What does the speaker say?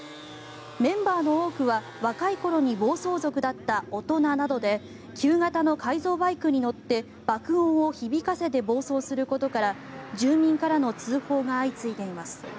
メンバーの多くは若い頃に暴走族だった大人などで旧型の改造バイクに乗って爆音を響かせて暴走することから住民からの通報が相次いでいます。